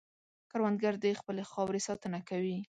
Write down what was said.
کروندګر د خپلې خاورې ساتنه کوي